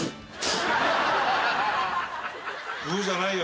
「ブッ」じゃないよ。